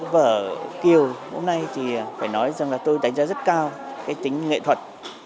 vở kiều hôm nay thì phải nói rằng là tôi đánh giá rất cao cái tính nghệ thuật